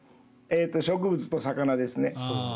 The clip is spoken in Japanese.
植物と魚ですね。